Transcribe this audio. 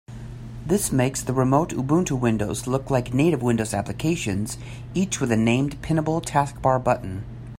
This makes the remote Ubuntu windows look like native Windows applications, each with a named pinnable taskbar button.